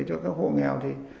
cho các hộ nghèo thì